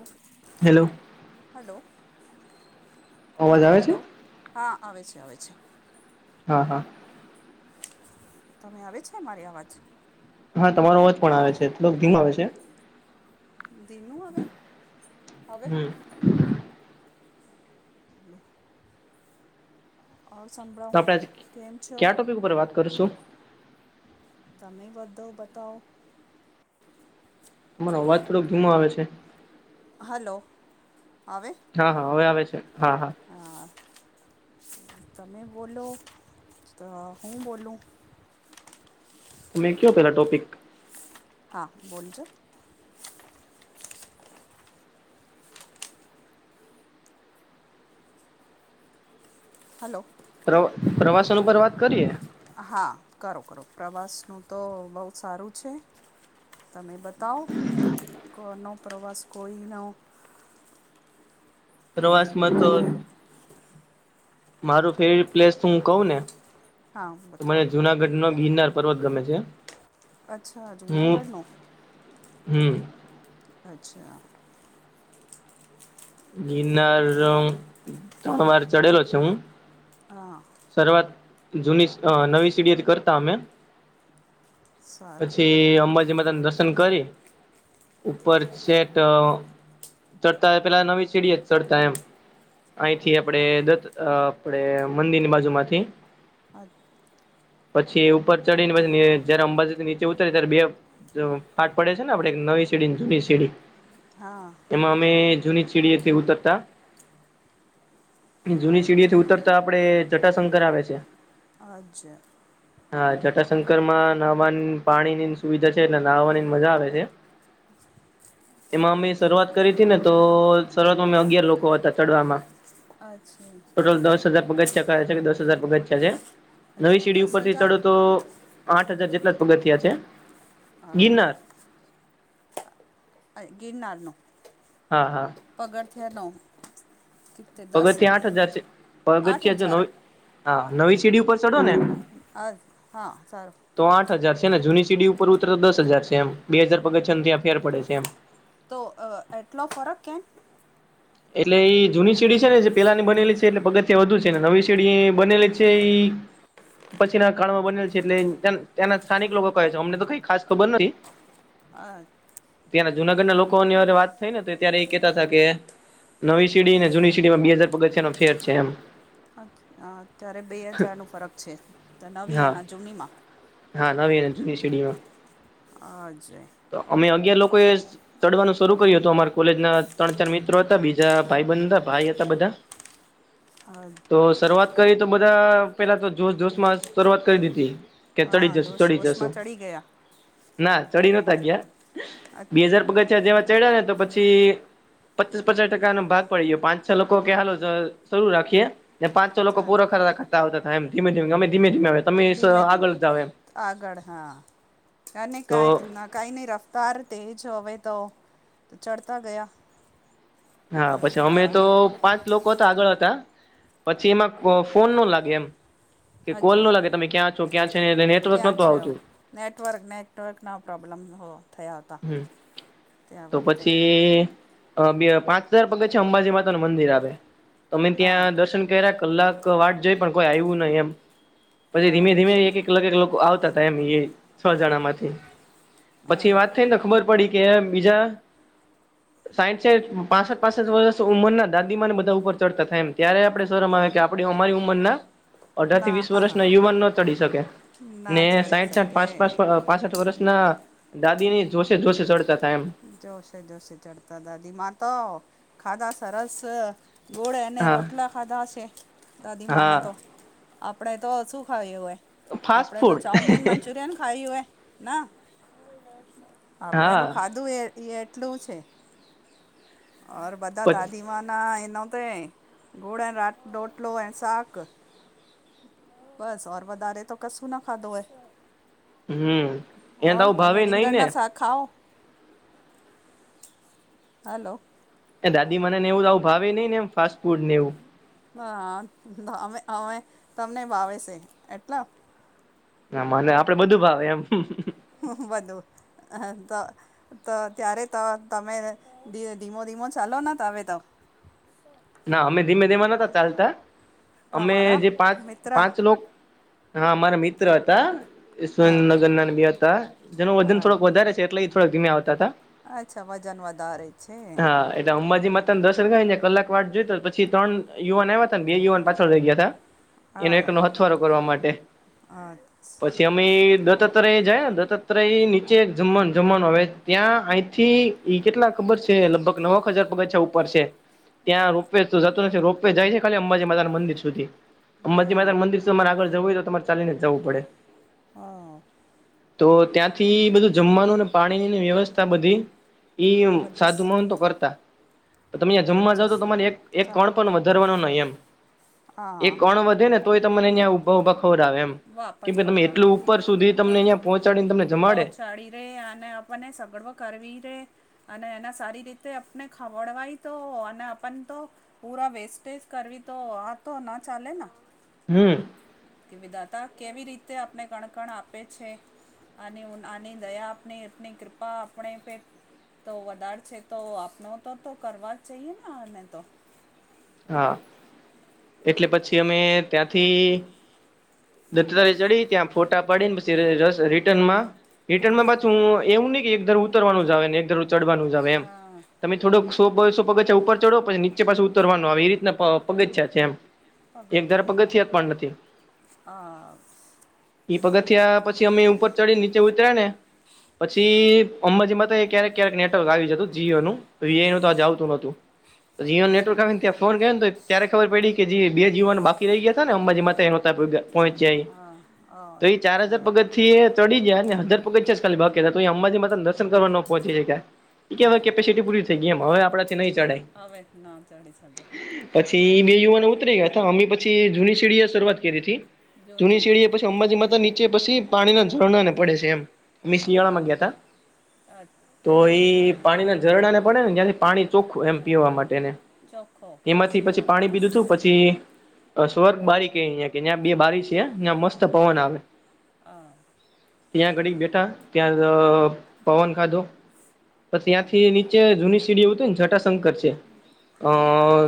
હ. Hello. Hello અવાજ આવે છે હલો હા આવે છે આવે છે. હા હા. તમે આવે છે મારી અવાજ. હા તમારો અવાજ પણ આવે છે ધીમ આવે છે. દીનું આવેવે. હમ. હમ. સમભ્ર. આપડે આજે ક્યા ટોપિક ઉપર વાત કરશું. તમે બધો બતાવ. અમારો અવાજ થોડોક ધીમો આવે છે. હલો હવે. હા હાવે આવે છે હા હા. હ તમે બોલો તો હું બોલું. તમે કયો પેલા ટોપિક. હા બોલજો. હલો. પ્ર પ્રવાસન ઉપર વાત કરીએ. હા કરો કરો પ્રવાસનું તો બહુ સારું છે. તમે બતાવ કોનો પ્રવાસ કોઈનો. પ્રવાસમાં તો કંઈ મારું ફેવરિટ પ્લેસ હું કઉ ને. હા મને બતાવો જુનાગઢ નો ગિરનાર પર્વત ગમે છે. અચ્છા હું જુનાગઢનો. હમ. અચ્છા. ગિરનાર તણ વાર ચડેલો છે હું. હા. શવાત જૂની નવી સીડીયત કરતા અમે. સારું પછી અંબાજીમાં તને રસ. ઉપર સેટ ચ. પેલા નવી સીડી જ ચડતા એમ. અહીંથી આપણેે દત આપણેે મંદિરની બાજુ માંથી. હ. પછી ઉપર ચડી ને, પછીને જયારે અંબાજી થી નીચે ઉતરી ત્યારે બે ફાટ પડે છે ને, આપે નવી સીડી, જૂની સીડી. હા. એમાં અમે જૂની ચીડીથી ઉતરતા, જૂની અજ ચીડીથી ઉતરતા. આપડે જટાશંકર આવે છે. આજે. હા, જટાશંકર માં નહાવાની પાણી નીની સુવિધા છે, એટલે નહાવાની મજા આવે છે. એમાં અમે શરૂઆત કરી હતી ને. તો શરૂઆતમાં અમે અગિયાર લોકો હતા ચડવામાં. અચ્છા. ટોટલ દસ હજાર પગથિયાં છે કે, દસ હજાર પગથિયાં છે, નવી સીડી દસ ઉપરથી હજાર ચડો તો. આઠ હજાર જેટલા પગથિયા છે. હા. ગિરનાર ગિરનારનું. હા, હા. પગથિયાનો. દસ પગથિયાં આઠ હજાર આઠ પગથિયાં જો હજાર ને, હા, નવી સીડી ઉપર ચઢો ને. અ હા, સારું. તો આઠ હજાર છે ને, જૂની સીડી ઉપર ઉતર તો દસ હજાર છે, એમ બે હજાર પગથિયાં છે, ત્યાં ફેર પડે છે એમ. તો એટલો ફરક કેમ? એટલે એ જૂની સીડી છે ને, જે પેલા ની બનેલી છે, એટલે પગથિયા વધુ છેને, નવી સીડી બનેલી છે એ. પછી ના કાળમાં બનેલ છે, એટલે ત્યાં સ્થાનિક લોકો કહે છે, અમને તો કઈ ખાસ ખબર નથી. [unintelligible] આઠ. ત્યાં જુનાગઢ ના લોકો ની વાત થઈ ને, તો ત્યારે એ કેતા હતા કે. નવી સીડી ને, જૂની સીડીમાં બે હાજાર પગચિયાનો ફેર છે એમ. અ અત્યારે બે હજારનું ફરક છે, તો નવી હા અને જૂનીમાં હા, નવીન શડીમાં. હ, અજય. અમે અગિયાર લોકોએ ચડવાનું શરૂ કર્યું હતું, અમારે કોલેજ ના ત્રણ-ચાર મિત્રો. બીજા ભાઈ-બંધ હતા, ભાઈ હતા બધા. હ. તો શરૂઆત કરી તો, બધા પેલા તો જોશ જોશ માં શરૂઆત કરી દીધી. કે તો ચડી હા જસુ, જોશ ચડી જશુ વોશમાં ચડી ગયા ના ચડી, નતા ગયા. અચ્છા. બે હજાર પગથીયા જેવા ચડ્યા ને, તો પછી પચાસ-પચાસ ટકા નો ભાગ પડી ગયો, પાંચ-છ લોકો કે, હાલો શું રાખી ને પાંચ. લોકો અચ્છા પૂરા ખરા કરતા હતા, એમ ધીમે-ધીમે અમે ધીમે-ધીમે. ધીમે ધી આગળ, હા, કહી તો કના. કાઈ નહી રફતાર, તેજ હોવે તો, ચડતા ગયા. હા, અરે પછી અમે તો. પાંચ લોકો હતા, આગળ હતા, પછી એમાં ફોન નો લાગે એમ. કે કોલ અજ નો લાગે, તમે ક્યાં છો? ક્યાં છે ને, નેટવર્ક ક્યાં નોતો છે આવતું. નેટવર્ક, નેટવર્કના પ્રોબ્લેમ થયા હતા. હમ, ત્યાં તો વખતે પછી. અ બે-પાંચ હજાર પગથિયાં છે, અંબાજી માતા નું મંદિર આવે, તમે હા ત્યાં દર્શન કલાક વાટ જોઈ પણ કોઈ આવ્યું નહી, એમ પછી હજ ધીમે-ધીમે એકલોકો આવતા હતા, એમ એ છ જણા માંથી પછી વાત. એટલ ખબર પડી કે બીજા સાહીસેજ પાસઠ પાસઠ વરસ ઉંમર ના દાદીમા ને બધા ઉપર ચડતા થાય એમ ત્યારે આપડે શરમ આવે કે આ પડે અમારી ઉંમરના અઢાર થી ના વીસ હા વરસ હા ના યુવાન ન ચડી શકે ના ને ચડી સાહીઠ સાઠ શકે પાંચ પાંચ પ અ પાસઠ વર્ષ ના દાદી ને જોશે જોશે ચડતા તા એમ. જોશે જોશે ચઢતાતા દાદી મા તો ખાધા સરસ ગોળે એને હા રોટલા ખાધા હશે દાદી માને હા તો. આપડે તો શું ખાયું હે ફાસ્ટ આપડે તો ફૂડ ચાઉમીન, મંચુરિયન ખાયુ હે. ના આપડે તો હા ખાધું એ એટલું છે. ઔર બધા પછ દાદીમાંના એનોતે ગુળ રાત ડોટલો એન સાક. બસ ઓર વધારે તો કસું ના ખાધો એ. હમ એને તો ઓર આવું તમે ભાવે નહી રીંગણ ને ના શાક ખાઓ હલો. એ દાદી મા નેવું આવું ભાવે નઈ ને એમ ફાસ્ટ ફૂડ નેવું. હા તો અમે અમે તમને ભાવે સે એટલા ના મને આપડે બધું ભાવે એમ. બધું હ તો તો ત્યારે તો તમે ધી ધીમો ધીમો ચાલો ને તમે તો. ના અમે ધીમે ધીમે નતા ચાલતા તો અમે અમારા જે પાંચ મિત્ર પાંચ લોક હા મારા મિત્ર હતા હવે સુરેન્દ્રનગર ના બે હતા જેનું વજન હા થોડોક વધારે છે એટલે ઈ થોડા ઘીમે આવતા તા. અચ્છા વજન વધારે છે. હ એટા અંબાજી મા તન દર્શન કરાઈન એક કલાક વાટ જોતો પછી ત્રન યુવાન આય્વા તાન બે યુવાન પાછળ રહી ગ્યાતા. એનો એકનો હા હથવારો કરવા માટે હા પછી એમ અમે દત્તાત્રય જયાને દત્તાત્રય નીચે એક જમાન જમનું આવે ત્યાં અહીંથી ઈ કેટલા ખબર છે લગભગ નવક હજાર પગથ્યા ઉપર છે. ત્યાં રોપવે તો જતું નથી રોપ જાય છે ખાલી અંબાજી માતા ના મંદિર સુધી અંબાજી હા માતાન મંદિર તમાર આગળ જવું હોય તો તમારે ચાલી ને જવું પડે. હા. તો ત્યાંથી બધું જમવાનુંને પાણીનીન વ્યવસ્થા બધી ઇમ બધીસ સાધુ મહંતો કરતા તો તમે અયાં જમવા જાવ અચ્છા તો તમારે એક એક સા કણ પણ વધારવાનો નહી એમ હા એક કણ વધે ને તોય તમને ન્યાં ઊભા ઉભા ખવરાવે એમ. કે વાપસ ભે તમે ખવડાવે એટલું ઉપર સુધી તમને એટલો અહિયા પહોંચાડીન તમને જમાડે પહોંચાડી રે અને આપણને સગડવો કરવી રે. અને એના સારી રીતે આપને ખવડવાય તો અન આપન તો પૂરા વેસ્ટેજ કરવી તો આ તો ના ચાલે ના. હમ. કે વિદાતા કેવી રીતે આપને કણકણ આપે છે. આનેઉન આની દયા આપની અપને કૃપા આપણેે પે તો વધાર છે તો આપનો તો તો કરવા જ જઈએ ને આને તો. હા એટલે પછી અમે ત્યાંથી દત્તારી ચડી ત્યાં ફોટા પાડી ન પછી રરસ રિટર્ન માં રિટર્નમાં પાછું એવું નહિ કે એક ધરું ઉતરવાનું જ આવે ને એક ધરું ચડવાનું જ આવે એમ હા તમે થોડોક સોબસો પગથ્યા ઉપર ચડો પછી નીચે પાસુ ઉતરવાનો આવે એ રીતના પ પગથ્યા છે એમ. એક ધારા પગથિયા પગથિયાત પણ નથી. આ ઈ પગથીયા પછી અમે ઉપર ચડીન નીચે ઉતર્યા ને પછી અંબાજી માતાએ ક્યારેક ક્યારેક નેટવર્ક આવી જતું જીઓનું. વીઆઈ નું તો આ જ આવતું નોતું તો જીઓન નેટવર્ક આવેને ત્યાં ફોન કર ને તો ત્યારે ખબર પડી કે જે બે યુવાન બાકી રહી ગયા હતા ને અંબાજી માતે નોતા વધ્યા પહોંચ્યા હિ આ તો એ ચાર હજાર અચ્છા પગ થી એ ચડી જાય ને દસ પગથિયા જ બાકી હતા અંબાજી મા દર્શન કરવા ન પહોચી હક્યા કે હવે કેપેસિટી પૂરી થઈ ગઈ એમ હવે આપડે હવે નામ ચડીયુ સાથે પછી બે યુવાનો ઉતરી ગયા હતા અમે પછી જૂની સીડીએ શરૂઆત કરી હતી. જૂની સીડીએ જૂનીથી પછી અંબાજી માતા નીચે પછી પાણીના ઝરણા ને પડે છે એમ અ મિસલી વાળા માંગ્યા હતા. તો અચ્છા એઈ પાણીના ઝરણા ને પડે ને જ્યાંથી પાણી ચોખ્ખું એમ પીવા માટે ને ચોખ્ખું એમાંથી પછી પાણી પીધું તું પછી થી સ્વર્ગ બારીક એ કે જ્યાં બે બારી છે ત્યાં મસ્ત પવન આવે હા. ત્યાં ઘડી બેઠા ત્યાં અ પવન ખાધો પછી અ ત્યાંથી નીચે જૂની સીડી ઉતરૂ ને જટાશંકર છે. અ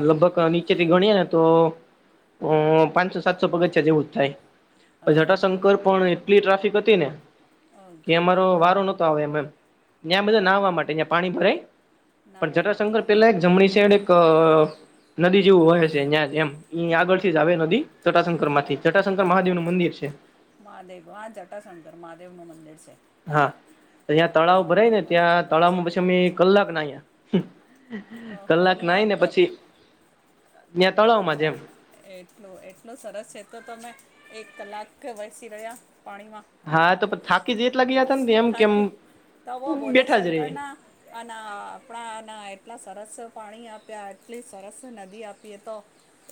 લગભગ નીચેથી સેવ ગણીએ ને અ તો અ પાંચસો સાતસો પગથીયા છે જેવું જ થાય અજે જટાશંકર પણ, કેટલી ટ્રાફિક હતી ને કે અજે અમારો વારો નતો આવે એમ એમ ત્યાં બધા નાહવા આહા માટે તું પાણી ભરાય પણ નાહવા માટે જટાશંકર પેલા એક જમણી સાઇડ એક એક નદી જેવું વહે છે જ્યાં એમ ઇ આગળથી જ આવે નદી જેટાશંકર અ માંથી ચટાશંકર મહાદેવ નું અજે મંદિર છે. મહાદેવ હા જટાશંકર મહાદેવનું મંદિર છે. હા ત્યાં તળાવ હમ ભરાય ને મને ત્યાં ખબર છે તળાવમાં પછી અમે કલાક નાહીંએ કલાક નાહી ને પછી ત્યાં તળાવમાં જેમ અચ્છા [unintelligible] એટલું એટલું સરસ છે તો તમે એક કલાક વરસી રહ્યા પાણીમાં હા તો થાકી જ એટલા ગયા હતા ને એમ કેમ થાકી તવો બોલે બેઠા જ શંકર રહીએ ના અને આપણાને એટલા સરસ પાણી આપ્યા એટલી સરસ નદી આપી હતી તો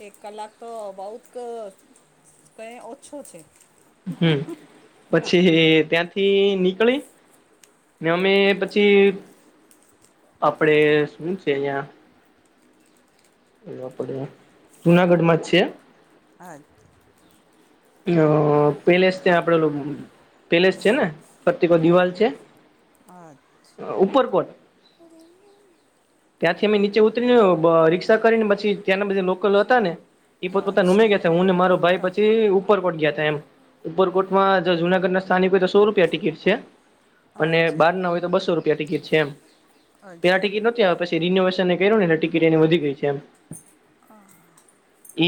એક કલાક તો બહુત કઈ ઓછો છે. હમ્મ. પછી ત્યાંથી નીકળી ને અમે પછી આપડે સુ છે અહીયા એ આપડે જુનાગઢ માં જ છે. હા. પેલું પેલેસ તે આપડે ઓલું પેલેસ છે ને પ્રતિક દિવાલ છે. આઠ અ ઉપરકોટ ત્યાંથી અમે નીચે ઉતરીને રિક્ષા કરીને પછી ત્યાંના બધ લોકલ હતા ને એ પોત પોતાના નુંમે અચ્છા ગયા હું ને મારો ભાઈ તો પછી ઉપર પોટ ગયા એમ ઉપરકોટમાં જુનાગઢ ના સ્થાનિક હોય તો સો રૂપિયા ટિકિટ છે અને અજય બાર ના હોય બસો રૂપિયા ટિકિટ છે એમ પેલા અજય ટિકિટ નથી આપતી પછી રિનોવેશનને કર્યું ને એટલે ટિકિટ એની વધી ગઈ છે એમ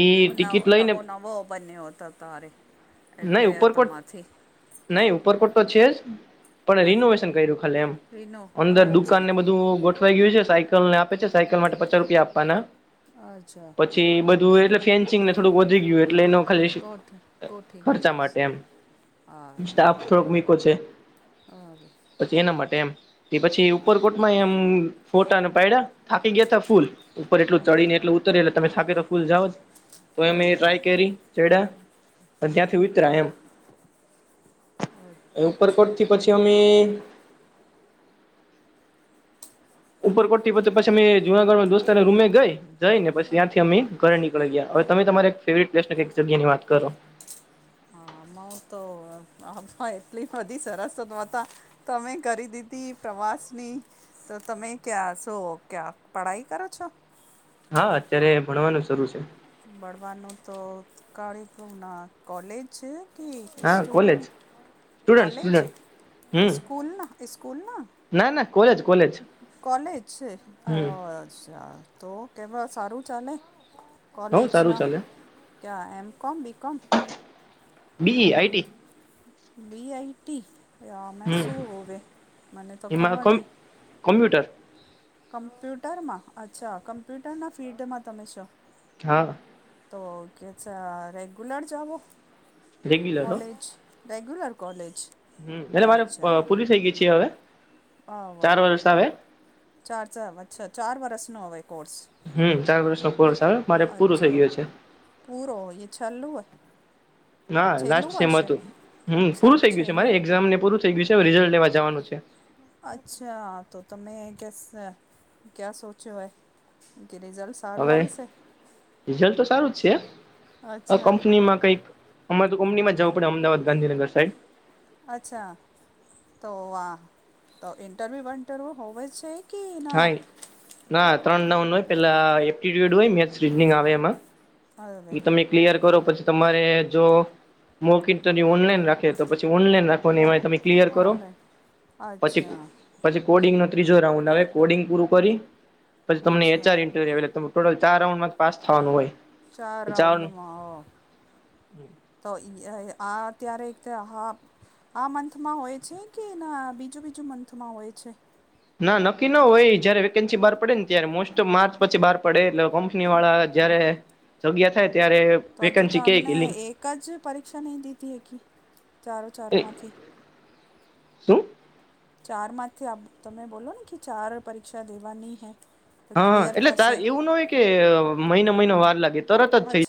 ઈ નવ ટિકિટ લઈને નવો નવો બન્યો હતો તારે એટલે નહી ઉપરકોટ તમાંથી નહી ઉપરકોટ તો છે જ પણ રિનોવેશન કર્યું ખાલી એમ રીનો અંદર અજય દુકાન ને બધું ગોઠવાઈ ગયું છે સાય કલ ને આપે છે સાયકલ માટે પચાસ રૂપિયા આપવાના. અચ્છા. પછી બધું એટલે ફેન્સિંગ ને થોડુંક વધી ગયું એટલે એનો ખલી ગોઠ ગોઠી ખર્ચા ગયા માટે એમ છીએ સ્ટાફ થોડોક મીકો છે. અ પછી એના માટે એમ પછી ઉપરકોટમાં એમ ફોટાને પાયડા થાકી ગયા તા ફૂલ ઉપર એટલું હા ચડી ને એટલ ઉતરે એટલે તમે થાકી તો ફૂલ જાઓ, તો એમ એ સોજાઓ ટ્રાય કરી ચયડા ત્યાંથી ઉયાતરા એમ. ઉપરકોટ થી પછી અમે, ઉપરકોટ થી પછી પછી અમે જુનાગઢમાં દોસ્તને રૂમે ગઈ જઈ ને પછી ત્યાંથી અમે, ઘ નીકળી ગયા હવે તમે તમારે એક ફેવરિટ પ્લેસ કે એક જગ્યા ની વાત કરો. અમાવ તો અ એટલી બધી સરસતો ન હતા તમે કરી દીધી પ્રવાસની તો તમે ક્યાં શો ક્યાં પઢાઈ કરો છો? હા અત્યારે ભણવાનું શરૂ છે. ભળવાનું તો કાળીપુર ના કોલેજ તુયી હા college student student college student હમ સ્કૂલના સ્કૂલ ના ના ના કોલેજ કોલેજ કોલેજ છે હમ અચ્છા તો તમારે સારું ચાલે હવ સારું કોલેજના ચાલે ક્યાં એમ કોમ બી કોમ બી ઈ આઈટી બીઆઈટી અમે હમ શું હોવે મને તો ખબર નઈ કોમપ્યુટર કમ્પ્યુટરમાં અચ્છા કમ્પ્યુટરના ફિલ્ડમાં તમે છો હા તો કે છે રેગુલર જાવો રેગ્યુલર કોલેજ? રેગ્યુલર કોલેજ હું એટલે મારે અ અચ્છા પૂરી થઇ ગઈ છે હવે હવે ચાર વર્ષ આવે ચાર ચ અચ્છા ચાર વરસનો હવે કોર્સ હમ્મ ચાર વર્ષનો કોર્સ આવે મારે પૂરો થઇ અચ્છા ગયો છે. પૂરો ઇ છેલુ એ ના છેલ્લું લાસ્ટ સેમ વર્ષ અતું હમ્મ પૂરું થઇ ગયું છે મારે એક્ઝામ ને પૂરું થઇ ગયું છે અવે રિઝલ્ટ લેવા જાવાનું છે. અચ્છા તો તમે કેસ ક્યા સોચ્યો એ કે રિઝલ્ટસ અવે રિઝલ્ટ તો સારું જ છે અ અચ્છા કંપનીમાં કંઈક અમા તો કંપનીમાં જાવું પડે અમદાવાદ ગાંધીનગર સાઈડ અચ્છા તો આ તો ઇન્ટરવ્યૂ બન્ટરવ્યૂ હોવે છે ઈ હાઇ ના ત્રણ નવનો હોય પેલા એપ્ટિટ્યુડ હોય મેથ્સ રીજનિંગ આવે એમાં હવે એ તમે ક્લિયર કરો પછી તમારે જો મોક ઇન્ટરવ્યૂ ઓનલાઈન રાખે ખે તો પછી ઓનલાઈન રાખવાની મો એમાંય તમે ક્લિયર કરો ઓનલાઈન પછી અચ્છા પછી કોડિંગ નો ત્રીજો રાઉન્ડ આવે કોડિંગ પૂરું કરી પછી તમને એચઆર અચ્છા ઇન્ટર આવે એટલે તમે ટોટલ ચાર રાઉન્ડમાંથી પાસ થાવાનું હોય ચાર રાઉન્ડમાં અ તો ઇ અ આ અત્યારે એક તે હા આ મંથમાં હોય છે કે ના બીજું બીજું મંથમાં હોય છે? ના નક્કી ન હોય જયારે વેકન્સી બાર પડે ને ત્યારે મોસ્ટ ટ માર્ચ પછી બાર પડે એટલે કંપની વાળા જ્યારે જગ્યા થાય ત્યારે તો હજુ તો વેકન્સી કે અમને એક જ પરીક્ષા નઈ દીધી એકી ચારો ચાર માંથી શું ચાર માંથી આપ તમે બોલો ને કે ચાર પરીક્ષા દેવા ની હૈ હા એટલે તાર એવું ન હોય કે મહિનો મહિનો વાર લાગે તરત જ અચ્છા થઈ